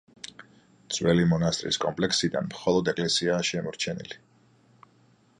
ძველი მონასტრის კომპლექსიდან მხოლოდ ეკლესიაა შემორჩენილი.